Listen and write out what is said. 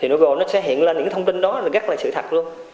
thì google nó sẽ hiện lên những thông tin đó rất là sự thật luôn